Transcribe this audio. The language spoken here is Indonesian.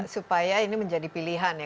supaya ini menjadi pilihan ya